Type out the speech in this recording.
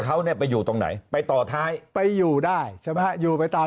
เขาเนี่ยไปอยู่ตรงไหนไปต่อท้ายไปอยู่ได้ใช่ไหมฮะอยู่ไปตาม